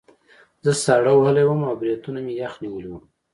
زه ساړه وهلی وم او بریتونه مې یخ نیولي وو